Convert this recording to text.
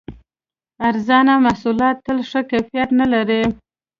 ارزانه محصولات تل ښه کیفیت نه لري.